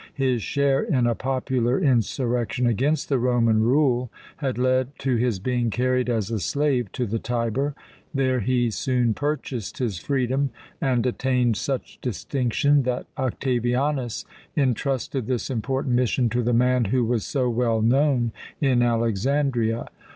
His share in a popular insurrection against the Roman rule had led to his being carried as a slave to the Tiber. There he soon purchased his freedom, and attained such distinction that Octavianus entrusted this important mission to the man who was so well known in Alexandria.